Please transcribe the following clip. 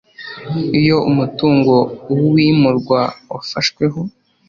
Iyo umutungo w uwimurwa wafashweho